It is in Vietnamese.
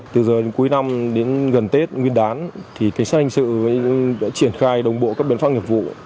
từ giờ đến cuối năm đến gần tết nguyên đán thì cảnh sát hành sự đã triển khai đồng bộ các biện pháp nghiệp vụ